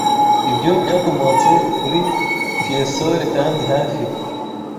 Ibyo byakomotse kuri Fiesole kandi hafi